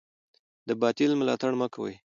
د باطل ملاتړ مه کوئ.